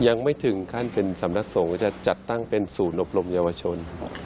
ยังไม่ถึงขั้นเป็นสำนักสงฆ์ก็จะจัดตั้งเป็นศูนย์อบรมเยาวชน